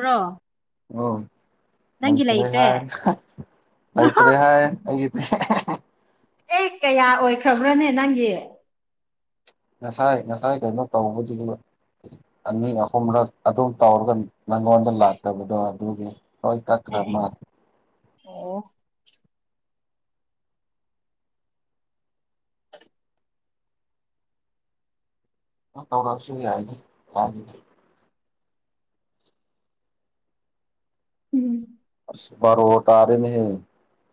ꯔꯣ ꯎ ꯂꯩꯇ꯭ꯔꯦ ꯍꯥꯏ ꯂꯩꯇ꯭ꯔꯦ ꯍꯥꯏ ꯑꯩꯒꯤꯗꯤ ꯍꯥ ꯑꯦ ꯀꯌꯥ ꯑꯣꯏꯈ꯭ꯔꯕ꯭ꯔꯅꯦ ꯅꯪꯒꯤ ꯉꯁꯥꯏ ꯉꯁꯥꯏ ꯀꯩꯅꯣ ꯇꯧꯕꯁꯤ ꯑꯅꯤ ꯑꯍꯨꯝꯔꯛ ꯑꯗꯨꯝ ꯇꯧꯔꯒ ꯅꯪꯉꯣꯟꯗ ꯂꯥꯛꯇꯕꯗꯣ ꯑꯗꯨꯒꯤ ꯍꯣꯏ ꯀꯥꯀ꯭ꯔꯥ ꯃꯥ ꯑꯣ ꯇꯧꯔꯛꯁꯨ ꯌꯥꯏꯗꯦ ꯌꯥꯗꯗꯦ ꯎꯝ ꯔꯣ ꯇꯥꯔꯦꯅꯦ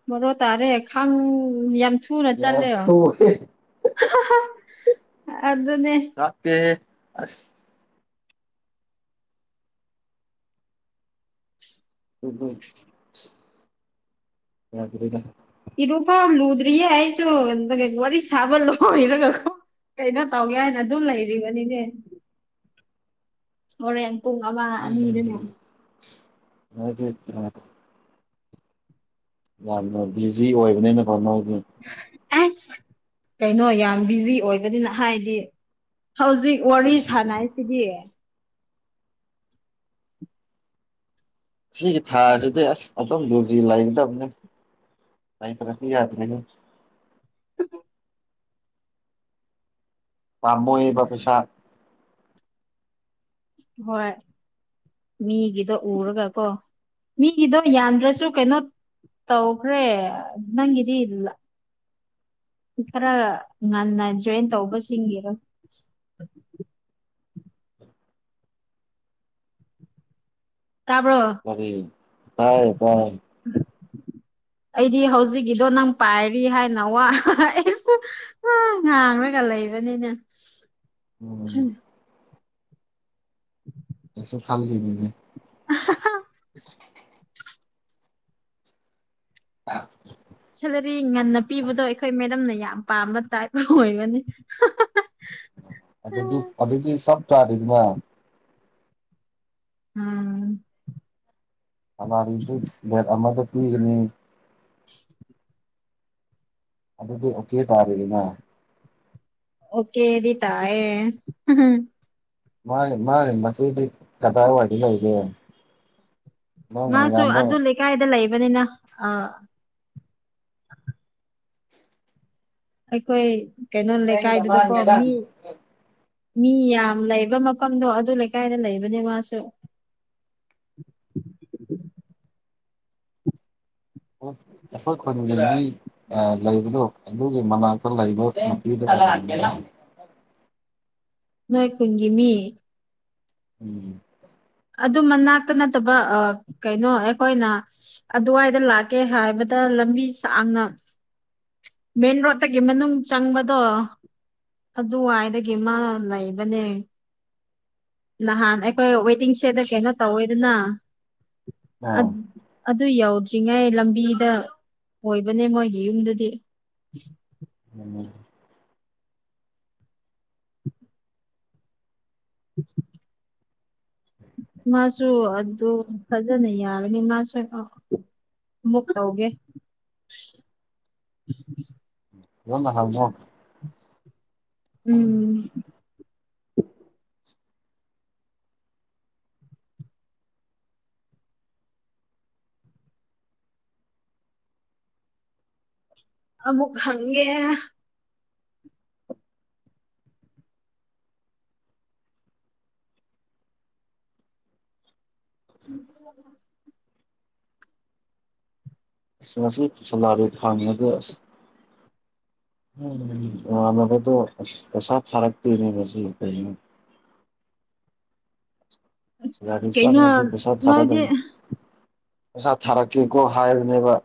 ꯃꯔꯣ ꯇꯥꯔꯦ ꯈꯪ ꯌꯥꯝ ꯊꯨꯅ ꯌꯥꯝ ꯆꯠꯂꯦ ꯊꯨꯋꯦ ꯑꯗꯨꯗꯅꯦ ꯂꯥꯛꯇꯦꯍꯦ ꯑꯁ ꯑꯗꯨ ꯌꯥꯗ ꯏꯔꯄꯣ ꯂꯨꯗꯔꯤ ꯍꯥꯏꯁꯁꯨ ꯋꯥꯔꯤꯔꯤ ꯁꯕ ꯂ ꯏꯔꯒꯣ ꯀꯩꯅꯣ ꯇꯧꯒꯦ ꯍꯥꯏꯅ ꯑꯗꯨꯝ ꯂꯩꯔꯤꯕꯅꯤꯅꯦ ꯍꯣꯔꯦꯟ ꯋꯥ ꯃꯤꯗ ꯃ ꯌꯥꯝꯅ ꯕ꯭ꯌꯨꯖꯤ ꯑꯣꯏꯕꯅꯤꯅ ꯐꯅꯗꯤ ꯑꯁ ꯀꯩꯅꯣ ꯌꯥꯝ ꯕꯤꯖꯤ ꯑꯣꯏꯕꯅꯤꯅ ꯍꯥꯏꯗꯤ ꯍꯧꯖꯤꯛ ꯋꯥꯔꯤ ꯁꯥꯟꯅꯁꯤꯗꯤ ꯁꯤꯒꯤ ꯊꯥꯁꯦꯗꯝ ꯔꯁꯤ ꯂꯥꯏꯗꯝꯅ ꯀꯏ ꯇꯔꯁꯤꯀꯤ ꯌꯥꯗꯔꯦꯒꯦ ꯄꯝꯌꯦꯕ ꯄꯩꯁꯥ ꯍꯣꯏ ꯃꯤꯒꯤꯗꯣ ꯎꯔꯒ ꯀꯣ ꯃꯤꯒꯤꯗꯣ ꯌꯥꯟꯗ꯭ꯔꯁꯨ ꯀꯩꯅꯣ ꯇꯧꯈ꯭ꯔꯦ ꯅꯪꯗꯤ ꯏꯜ ꯈꯔ ꯉꯟꯅ ꯖꯣꯏꯟ ꯇꯧꯕꯁꯤꯡꯒꯤꯦꯔꯣ ꯇꯥꯕ꯭ꯔꯣ ꯀꯔꯤ ꯇꯥꯏ ꯀꯥꯏ ꯎ ꯑꯩꯗꯤ ꯍꯧꯖꯤꯛꯀꯤꯗꯣ ꯅꯪ ꯄꯥꯏꯔꯤ ꯍꯥꯏꯅ ꯋꯥ ꯑꯩꯁꯨ ꯉꯥꯡꯔꯒ ꯗꯩꯕꯅꯤꯅ ꯎꯝ ꯎꯝ ꯑꯦꯁꯨ ꯐꯝꯖꯕꯦ [inaudible] ꯑ ꯁꯦꯂꯔꯤ ꯉꯟꯅ ꯄꯤꯕꯗꯣ ꯑꯩꯈꯣꯏ ꯃꯦꯗꯝꯝꯅ ꯌꯥꯝ ꯄꯥꯝꯕ ꯇꯥꯏꯞ ꯑꯣꯏꯕꯅꯤ ꯑꯗꯨꯗꯤ ꯑꯗꯨꯗꯤ ꯁꯞ ꯆꯥꯔꯗꯤꯅ ꯎꯝ ꯁꯅꯥꯔꯤꯁꯨ ꯂꯦꯠ ꯑꯃꯗ ꯄꯤꯒꯅꯤ [inaudible] ꯑꯗꯨꯗꯤ ꯑꯣꯀꯦ ꯇꯥꯕꯅꯤꯅ ꯑꯣꯀꯦꯗꯤ ꯇꯌꯦꯦ ꯃꯥ ꯃꯥꯅꯦ ꯃꯁꯗꯔꯤ ꯀꯗꯥꯔ ꯋꯥꯗꯤ ꯂꯩꯣꯏꯒ ꯃꯥꯁꯨ ꯑꯗꯨ ꯂꯩꯀꯥꯏꯗ ꯂꯩꯕꯅꯤꯅ ꯑ ꯑꯩꯈꯣꯏ ꯀꯩꯅꯣ ꯂꯩꯀꯥꯏꯗꯨꯗꯀꯣ ꯃꯤ ꯑꯩꯈꯣꯏ ꯃꯤ ꯌꯥꯝ ꯂꯩꯕ ꯃꯐꯝꯗꯣ ꯑꯗꯨ ꯂꯩꯀꯥꯏꯗ ꯂꯩꯕꯅꯦ ꯃꯥꯁꯨ [unintelligible] ꯑꯩꯈꯣꯏ ꯈꯨꯒꯤꯅꯤ ꯂꯩꯕꯗꯣ ꯑꯗꯨꯒꯤ ꯃꯅꯥꯛꯇ ꯂꯩꯕꯇꯤ ꯀꯦꯂ ꯃꯥꯏ ꯀꯨꯟꯒ ꯃꯤ ꯎꯝ ꯑꯗꯨ ꯃꯅꯥꯛꯇ ꯅꯠꯇꯕ ꯀꯩꯅꯣ ꯑꯩꯈꯣꯏꯅ ꯑꯗꯨꯋꯥꯏꯗ ꯂꯥꯛꯀꯦ ꯍꯥꯏꯕꯗ ꯂꯝꯕꯤ ꯁꯥꯡꯅ ꯃꯦꯟ ꯔꯣꯇꯒꯤ ꯃꯅꯨꯡ ꯆꯪꯕꯗꯣ ꯑꯗꯨꯋꯥꯏꯗꯒꯤ ꯃꯥ ꯂꯩꯕꯅꯦ ꯅꯍꯥꯟ ꯑꯩꯈꯣꯏ ꯇꯤꯡꯁꯦꯗ ꯀꯩꯅꯣ ꯇꯧꯋꯦꯗꯅ ꯑ ꯑꯗꯨ ꯌꯧ ꯍꯧꯔꯤꯉꯩ ꯂꯝꯕꯤꯗ ꯑꯣꯏꯕꯅꯦ ꯃꯣꯏꯒꯤ ꯌꯨꯝꯗꯨꯗꯤ ꯎꯝ ꯑ ꯃꯥꯁꯨ ꯑꯗꯨ ꯐꯖꯅ ꯌꯥꯔꯅꯤ ꯃꯥꯁꯨ ꯃꯛꯧꯒꯦ ꯍꯅ ꯍꯥꯏꯃꯣ ꯎꯝ ꯑꯃꯃꯨꯛ ꯍꯪꯦ ꯎꯝ ꯑꯔ ꯈ ꯎꯝꯗꯗꯣ ꯄꯩꯁꯥ ꯊꯥꯔꯛꯇꯅꯦ ꯉꯁꯨ ꯀꯩꯅꯩꯅ ꯁꯤꯂꯥ ꯔꯔꯤꯁꯥ ꯀꯩꯅꯣ ꯃꯥꯒꯤ ꯄꯦꯁꯥ ꯅꯣꯏꯗꯤ ꯊꯕꯒꯅꯤ ꯄꯩꯁꯥ ꯊꯥꯔꯛꯀꯦꯀꯣ ꯍꯥꯏꯕꯅꯦꯕ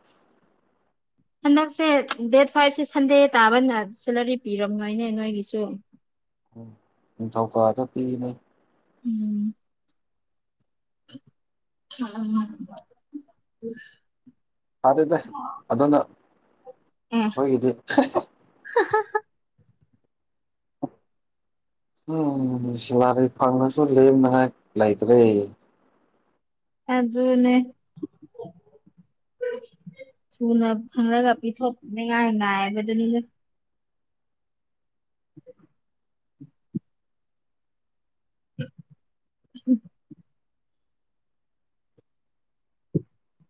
ꯍꯟꯗꯛꯁꯦ ꯗꯦꯠ ꯐꯥꯏꯚꯁꯦ ꯁꯟꯗꯦ ꯇꯥꯕꯅ ꯁꯦꯂꯔꯤ ꯄꯤꯔꯝꯈꯣꯏꯅꯦ ꯅꯣꯏꯒꯤꯁꯨ ꯊꯀꯥꯗ ꯄꯤꯅꯦ ꯎꯝ ꯑꯝ ꯐꯔꯦꯗꯦ ꯑꯗꯨꯗꯅ ꯑꯦ ꯍꯒꯗꯤꯦ ꯎꯝ ꯁꯦꯂꯥꯔꯤ ꯐꯪꯉꯁꯨ ꯂꯦꯝ ꯉꯍꯥꯛ ꯂꯩꯇ꯭ꯔꯦ ꯑꯗꯨ ꯑꯗꯨꯅꯦ ꯊꯨꯅ ꯈꯪꯔꯒ ꯄꯤꯊꯣꯛꯅꯤꯉꯥꯏ ꯉꯥꯏꯕꯗꯨꯅꯤꯅꯦ [unintelligible] [unintelligible] [unintelligible]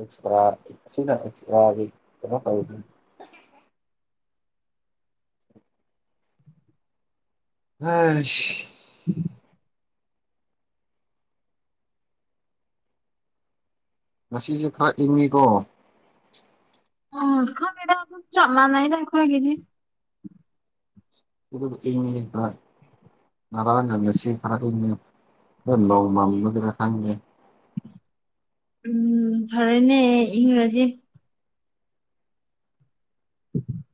ꯑꯦꯛꯁꯔꯥ ꯑꯁꯤꯅ ꯑꯦꯛꯁꯔꯥꯒꯤ ꯀꯩꯅꯣ ꯇꯧꯔꯤꯅꯤ ꯑ ꯉꯁꯤꯁꯦ ꯈꯥꯛꯏꯉꯤꯀꯣ ꯑꯣ ꯈꯕꯤꯗ ꯃꯥ ꯅꯥꯏ ꯗꯈꯒꯖꯤ ꯎꯗꯞ ꯏ ꯃꯤ ꯭ꯔꯥꯏ ꯃꯔꯥꯪꯅ ꯁꯤ ꯈꯔ ꯈꯔ ꯅꯣ ꯃꯥꯡꯂꯕꯤꯔ ꯈꯪꯦ ꯎꯝ ꯐꯔꯦꯅꯦ ꯏꯪꯔꯖꯤ ꯎꯝ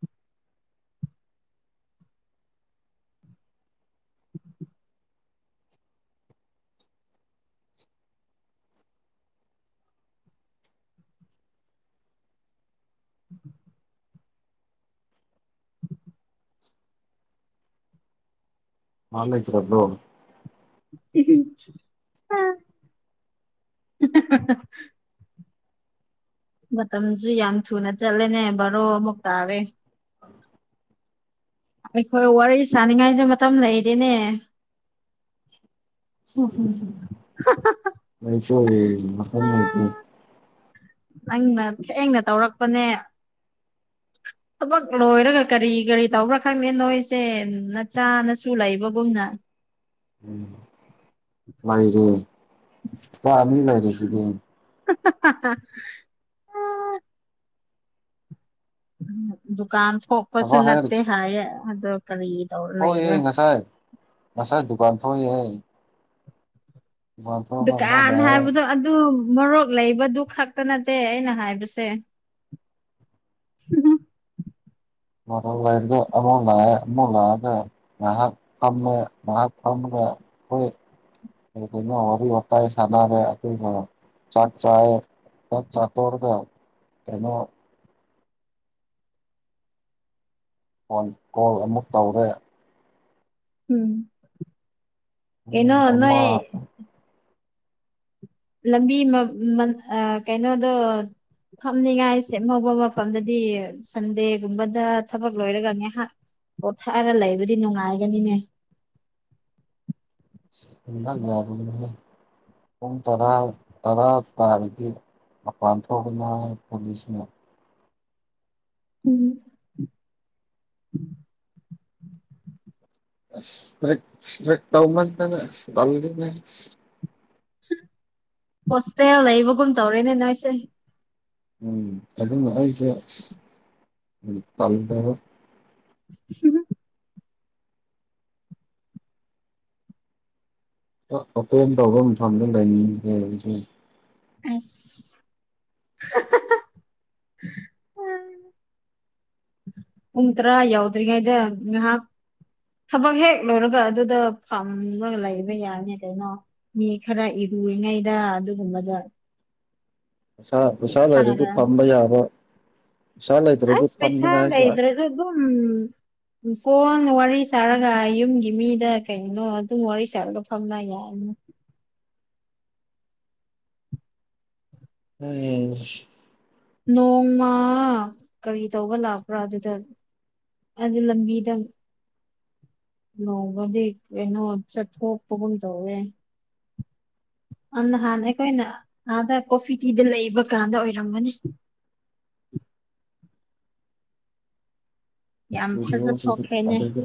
ꯃꯥꯜ ꯂꯩꯇꯔ꯭ꯔꯣ ꯑ ꯃꯇꯝꯁꯨ ꯌꯥꯝ ꯊꯨꯅ ꯆꯠꯂꯦꯅꯦ ꯕꯥꯔꯣ ꯑꯃꯨꯛ ꯇꯥꯔꯦ ꯑꯩꯈꯣꯏ ꯋꯥꯔꯤ ꯁꯥꯅꯤꯡꯉꯥꯏꯁꯨ ꯃꯇꯝ ꯂꯩꯔꯤꯅꯦ [unintelligible] ꯅꯪꯅ ꯊꯦꯡꯅ ꯇꯧꯔꯛꯄꯅꯦ ꯊꯕꯛ ꯂꯣꯏꯔꯒ ꯀꯔꯤ ꯀꯔꯤ ꯇꯧꯕ꯭ꯔꯥ ꯈꯪꯗꯦ ꯅꯣꯏꯁꯦ ꯅꯆꯥꯅꯁꯨ ꯂꯩꯕꯒꯨꯝꯅ [inaudible] ꯎꯝ ꯂꯩꯥꯏꯔꯦ ꯄꯥ ꯑꯅꯤ ꯂꯩꯥꯏꯔꯤꯁꯤꯗꯤ [inaudible] ꯗꯨꯀꯥꯟ ꯊꫭꯛꯄꯁꯨ ꯊꯕꯛ ꯅꯠꯇꯦ ꯍꯥꯏꯌꯦ ꯑꯗꯨ ꯀꯔꯤ ꯇꯧꯔ ꯊꫭꯛꯏꯍꯦ ꯂꯩꯕ꯭ꯔꯥ ꯉꯁꯥꯏ ꯉꯁꯥꯏ ꯗꯨꯀꯥꯟ ꯊꯣꯛꯏꯍꯦ ꯗꯨꯀꯥꯟ ꯂꯥꯛꯑꯦ ꯍꯥꯏꯕꯗꯣ ꯑꯗꯨ ꯃꯣꯔꯣꯛ ꯂꯩꯕꯗꯨ ꯈꯛꯇ ꯅꯠꯇꯦ ꯑꯩꯅ ꯍꯥꯏꯕꯁꯦ [inaudible] ꯃꫭꯔꫭꯛ ꯂꯩꯔꯒꯒ ꯑꯃꯨꯛ ꯂꯥꯛꯑꯦ ꯑꯃꯨꯛ ꯂꯥꯛꯑꯒ ꯉꯍꯥꯛ ꯐꯝꯃꯦ ꯉꯍꯥꯛ ꯐꯝꯒ ꯈꯣꯏ ꯀꯔꯤ ꯀꯔꯤꯅꫭ ꯋꯥꯔꯤ ꯋꯥꯇꯥꯏ ꯁꯅꯥꯔꯦ ꯑꯗꯨꯒ ꯆꯥꯛ ꯆꯥꯏꯌꯦ ꯆꯥꯛ ꯆꯥ ꯇꫭꯛꯑꯒ ꯀꯩꯅꯣ ꯐꯣꯟ ꯀꯣꯜ ꯑꯃꯨꯛ ꯇꯧꯔꯦ ꯎꯝ ꯀꯩꯅꯣ ꯄꯨꯡ ꯑꯃ ꯅꫭꯏ ꯂꯝꯕꯤ ꯃ ꯃ ꯑ ꯀꯩꯅꯣꯗꯣ ꯐꯝꯅꯤꯉꯥꯏ ꯁꯦꯝꯍꯧꯕ ꯃꯐꯝꯗꯨꯗꯤ ꯁꯟꯗꯦꯒꯨꯝꯕꯗ ꯊꯕꯛ ꯂꯣꯏꯔꯒ ꯉꯥꯏꯍꯥꯛ ꯄꯣꯊꯥꯔ ꯂꯩꯕꯗꯤ ꯅꯨꯡꯉꯥꯏꯒꯅꯤꯅꯦ ꯅꯪ ꯋꯥꯗꯨꯗꯤꯅꯦ ꯄꯨꯡ ꯇꯔꯥ ꯇꯔꯥ ꯇꯥꯔꯗꯤ ꯃꯄꯥꯟ ꯊꯣꯛꯀꯅꫭ ꯍꯥꯏꯏ ꯄꯨꯂꯤꯁꯅ ꯎꯝ ꯏꯁꯇ꯭ꯔꯤꯛ ꯏꯁꯇ꯭ꯔꯤꯛ ꯇꯧꯃꯟꯗꯅ ꯏꯁ ꯇꯜꯂꯤꯅꯦ ꯏꯁ ꯍꯣꯁꯇꯦꯜ ꯂꯩꯕꯒꯨꯝ ꯇꯧꯔꯦꯅꯦ ꯅꫭꯏꯁꯦ ꯎꯝ ꯑꯗꯨꯝ ꯑꯩꯁꯦ ꯑꯁ ꯎꯝ ꯇꯜꯂꯦꯕ [inaudible] ꯑꯣꯄꯦꯟ ꯇꯧꯕ ꯃꯊꯐꯝꯗ ꯂꯩꯅꯤꯡꯉꯦ ꯑꯩꯁꯨ ꯑꯁ ꯄꯨꯡ ꯇꯔꯥ ꯌꯥꯎꯗ꯭ꯔꯤꯉꯩꯗ ꯉꯥꯏꯍꯥꯛ ꯊꯕꯛ ꯍꯦꯛ ꯂꯣꯏꯔꯒ ꯑꯗꯨꯗ ꯐꯝꯔꯒ ꯂꯩꯕ ꯌꯥꯅꯤ ꯀꯩꯅꯣ ꯃꯤ ꯈꯔ ꯂꯨꯔꯤꯉꯩꯗ ꯑꯗꯨꯒꯨꯝꯕꯗꯥ ꯄꯩꯁꯥ ꯄꯩꯁꯥ ꯂꯩꯔꯗꯤ ꯐꯝꯕ ꯌꯥꯕ ꯄꯩꯁꯥ ꯂꯩꯇ꯭ꯔꯗꯤ ꯑꯁ ꯄꯩꯁꯥ ꯐꯝꯅꯤꯡꯉꯥꯏꯁꯨ ꯑꯁ ꯂꯩꯗ꯭ꯔꯁꯨ ꯑꯗꯨꯝ ꯐꫭꯟ ꯋꯥꯔꯤ ꯁꯥꯔꯒ ꯌꯨꯝꯒꯤ ꯃꯤꯗ ꯀꯩꯅꯣ ꯑꯗꯨꯝ ꯋꯥꯔꯤ ꯁꯥꯔꯒ ꯐꯝꯅ ꯌꯥꯏꯅ [inaudible] ꯑꯩꯁ ꯅꯣꯡꯃꯥ ꯀꯔꯤ ꯇꯧꯕ ꯂꯥꯛꯄ꯭ꯔꯥ ꯑꯗꯨꯗ ꯑꯗꯨ ꯂꯝꯕꯤꯗ ꯅꯣꯡꯕꯗꯤ ꯀꯩꯅꯣ ꯆꯠꯊꯣꯛꯄꯒꯨꯝ ꯇꯧꯋꯦ ꯑꯟ ꯅꯍꯥꯟ ꯑꯩꯈꯣꯏꯅ ꯑꯥꯗ ꯀꯣꯐꯤ ꯇꯤꯗ ꯂꯩꯕ ꯀꯥꯟꯗ ꯑꯣꯏꯔꯝꯒꯅꯤ [inaudible] ꯌꯥꯝ ꯂꫭꯏꯁꯤꯜꯂꫭ ꯁꯤꯁꯨ [unintelligible] ꯐꯖꯊꯣꯛꯈ꯭ꯔꯦꯅꯦ ꯑꯗꯒꯤ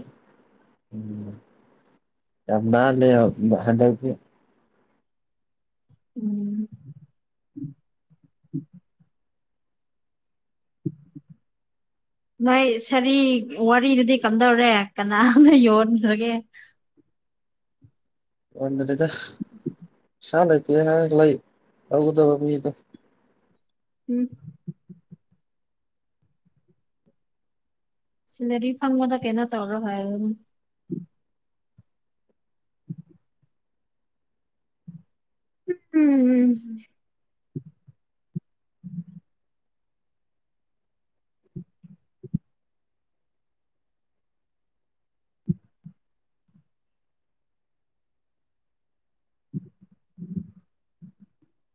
ꯎꯝ ꯌꯥꯝ ꯅꯥꯜꯂꯦ ꯍꫭ ꯍꯟꯗꯛꯇꯤ ꯎꯝ [inaudible] ꯅꯣꯏ ꯁꯥꯔꯤ ꯋꯥꯔꯤꯗꯨꯗꯤ ꯀꯝꯗꯧꯔꯦ ꯀꯅꯅꯥ ꯌꯣꯟꯈ꯭ꯔꯒꯦ [inaudible] ꯌꫭꯟꯗꯔꯤꯗ ꯁꯥ ꯂꯩꯇꯦ ꯍꯥꯏ ꯂꯩ ꯇꯧꯒꯗꯕ ꯃꯤꯗꫭ ꯎꯝ ꯁꯦꯂꯔꯤ ꯐꯪꯕꯗ ꯀꯩꯅꯣ ꯇꯧꯔꯣ ꯍꯥꯏꯔꫭꯅ‌ꯦ ꯎꯝꯝꯝ ꯎꯝ [unintelligible]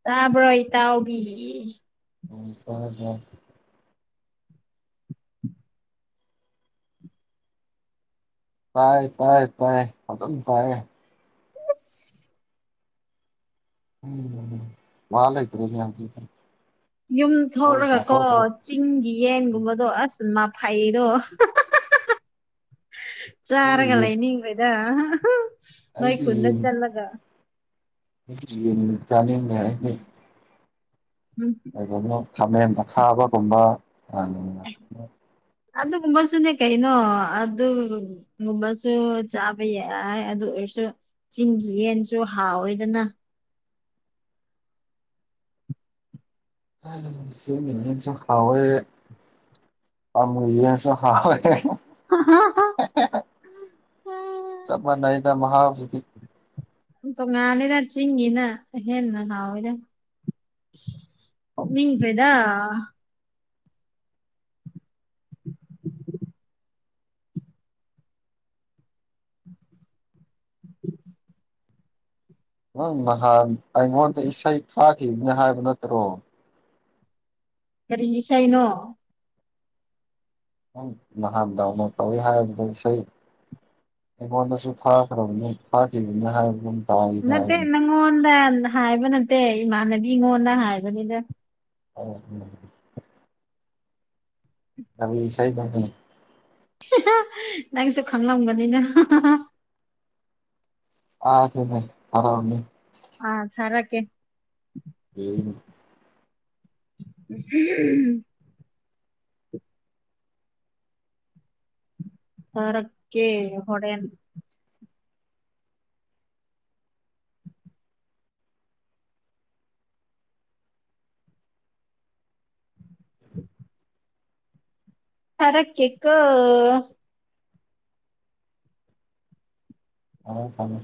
ꯇ꯭ꯕꯔꫭ ꯏꯇꯥꯎꯕꯤ ꯁꯨꯖ [unintelligible] ꯇꯥꯏ ꯇꯥꯏ ꯇꯥꯏ ꯐꯖꯅꯥ ꯇꯥꯏꯌ‌ꯦ ꯑꯁ ꯎꯝ ꯃꯥꯂꯩꯇꯔꯦꯗꯤ ꯌꯥꯝ ꯊꯤ ꯐꯩ ꯌꯨꯝ ꯊꯣꯛꯂꯒꯀꯣ ꯆꯤꯡꯒꯤ ꯌꯦꯟꯒꯨꯝꯕꯗꯣ ꯑꯁ ꯐꯩꯗꯣ ꯆꯥꯔꯒ ꯑꯩꯗꯤ ꯂꯩꯅꯤꯡꯕꯩꯗ ꯅꫭꯏ ꯈꯨꯨꯟꯗ ꯆꯠꯂꯒ ꯖ ꯑꯥꯏꯦ [unintelligible] ꯎꯝ ꯀꯩꯒꯅꯣ ꯈꯥꯃꯦꯟꯗ ꯈꯥꯕꯒꯨꯝꯕ ꯑꯁ ꯑꯗꯨꯒꯨꯝꯕꯁꯨꯅꯦ ꯀꯩꯅꯣ ꯑꯗꯨꯒꯨꯝꯕꯁꯨ ꯆꯥꯕ ꯌꯥꯏ ꯑꯗꯨ ꯑꯣꯏꯔꯁꯨ ꯆꯤꯡꯒꯤ ꯌꯦꯟꯁꯨ ꯍꯥꯎꯑꯣꯏꯗꯅ ꯆꯤꯡꯒꯤ ꯌ‌ꯦꯟꯁꯨ ꯍꯥꯎꯋꯤ ꯑꯃ ꯌ‌ꯦꯟꯁꯨ ꯍꯥꯎꯋꯤ ꯑ ꯗ ꯃꯍꯥꯕꯤꯗꯤ ꯇ ꯉꯅꯤꯗ ꯆꯤꯤꯡꯤꯅ ꯍꯦꯅ ꯍꯗ ꯃꯤ ꯄꯔꯤꯗ [inaudible] ꯅꯪ ꯅꯍꯥꯟ ꯑꯩꯉꯣꯟꯗ ꯏꯁꯩ ꯐꯥꯈꯤꯕꯅꯤ ꯍꯥꯏꯕ ꯅꯠꯇ꯭ꯔꯣ ꯀꯔꯤ ꯁꯩꯅꯣ ꯅꯍꯥꯟꯗ ꯇ ꯍꯥꯏ ꯁ ꯑꯩꯉꯣꯟꯗꯁꯨ ꯐꯥꯈ꯭ꯔꯕꯅꯤ ꯐꯥꯈꯤꯕꯅꯤ ꯍꯥꯏꯕꯨꯝ ꯅꯠꯇꯦ ꯅꯪꯉꯣꯟꯗ ꯍꯥꯏꯕ ꯅꯠꯇꯦ ꯏꯃꯥꯟꯅꯕꯤ ꯑꯩꯉꯣꯟꯗ ꯍꯥꯏꯕꯅꯤꯗ ꯑꯣ ꯎ ꯀꯁꯥꯏ ꯊꯅꯤ ꯅꯪꯁꯨ ꯈꯪꯂꯝꯒꯅꯤꯅ ꯑ ꯁꯤꯦ ꯐꯔꯅꯤ ꯑꯥ ꯁꯔꯀꯦ ꯎ ꯍ ꯊꯔꯛꯀꯦ ꯍꯣꯔꯦꯟ ꯎꯝ ꯍꯔ ꯀꯦ ꯀ ꯑꯥꯎ ꯊꯃꯦ